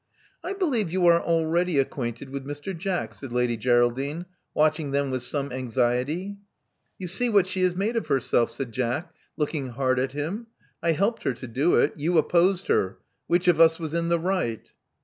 I believe you are already acquainted with Mr. Jack," said Lady Geraldine, watching them with some anxiety. You see what she has made of herself," said Jack, looking hard at him. I helped her to do it: you opposed her. Which of us was in the right?"